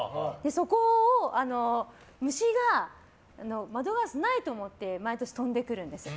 そこを虫が窓ガラスがないと思って毎年飛んでくるんですよ。